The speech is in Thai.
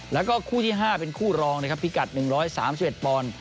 แล้วก็คู่ที่ห้าเป็นคู่รองนะครับพิกัดหนึ่งร้อยสามสิบเอ็ดปอน